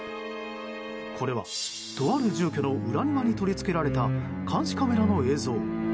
これは、とある住居の裏庭に取り付けられた監視カメラの映像。